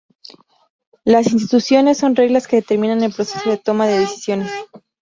Las instituciones son reglas que determinan el proceso de toma de decisiones.